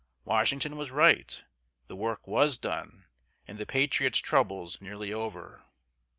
Washington was right; the work was done, and the patriots' troubles nearly over.